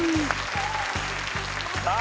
さあ